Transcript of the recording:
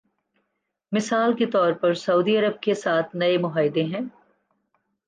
مثال کے طور پر سعودی عرب کے ساتھ نئے معاہدے ہیں۔